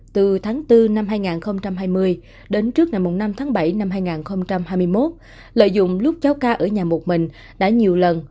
từ tháng bốn năm hai nghìn hai mươi đến trước ngày năm tháng bảy năm hai nghìn hai mươi một lợi dụng lúc cháu ca ở nhà một mình đã nhiều lần